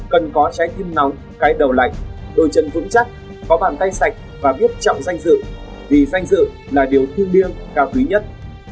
cần có trái tim nóng cái đầu lạnh đôi chân vững chắc có bàn tay sạch và biết trọng danh dự vì danh dự là điều thiêng liêng cao quý nhất